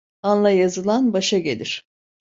Alna yazılan başa gelir.